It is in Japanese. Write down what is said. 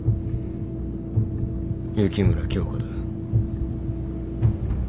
雪村京花だ。